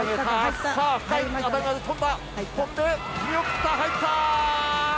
見送った、入った！